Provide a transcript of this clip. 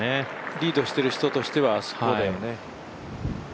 リードしている人としては、あそこだよね。